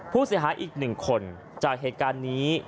ผู้เสียหายอีก๑คนจากเหตุการณ์นี้